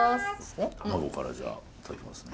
卵からじゃあ頂きますね。